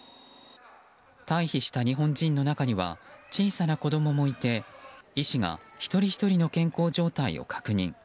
退避した日本人の中には小さな子供もいて医師が一人ひとりの健康状態を確認。